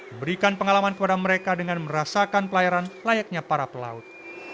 memberikan pengalaman kepada mereka dengan merasakan pelayaran layaknya para pelaut